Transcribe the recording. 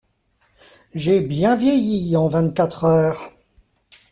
J’ai bien vieilli en vingt-quatre heures.